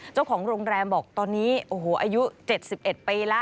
เจ้าของโรงแรมบอกตอนนี้โอ้โหอายุ๗๑ปีแล้ว